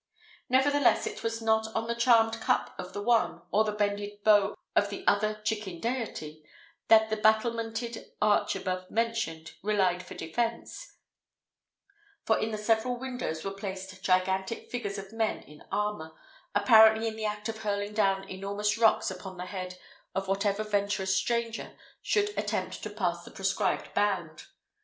Nevertheless, it was not on the charmed cup of the one, or the bended bow of the other chicken deity, that the battlemented arch above mentioned relied for defence; for in the several windows were placed gigantic figures of men in armour, apparently in the act of hurling down enormous rocks upon the head of whatever venturous stranger should attempt to pass the prescribed bound.